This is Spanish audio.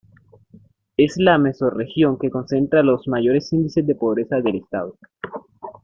Es la mesorregión que concentra los mayores índices de pobreza del estado.